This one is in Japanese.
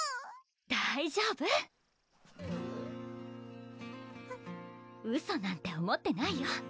大丈夫うぅウソなんて思ってないよ